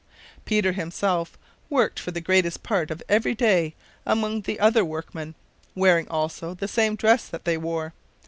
Peter himself worked for the greatest part of every day among the other workmen, wearing also the same dress that they wore.